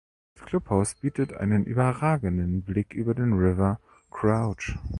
Das Clubhaus bietet einen überragenden Blick über den River Crouch.